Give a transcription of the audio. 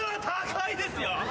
高いですよ。